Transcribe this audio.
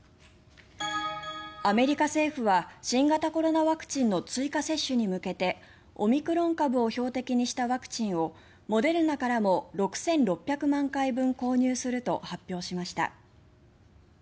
アメリカ政府は新型コロナワクチンの追加接種に向けてオミクロン株を標的にしたワクチンをモデルナからも６６００万回分購入すると発表しました。